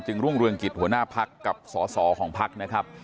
รุ่งเรืองกิจหัวหน้าพักกับสอสอของพักนะครับ